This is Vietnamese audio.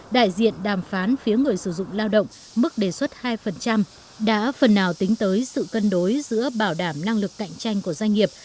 đại diện đàm phán phía người sử dụng lao động mức đề xuất hai đã phần nào tính tới sự cân đối giữa bảo đảm năng lực cạnh tranh của doanh nghiệp